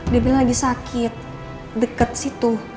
dia bilang lagi sakit dekat situ